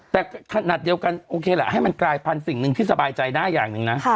แต่ขนาดเดียวกันโอเคล่ะให้มันกลายพันธุ์สิ่งหนึ่งที่สบายใจได้อย่างหนึ่งนะ